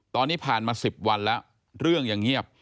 ตอนนี้ผ่านมา๑๐วันแล้วเรื่องยังเงียบ